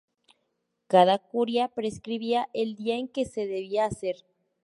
Cada curia prescribía el día en que se debía hacer.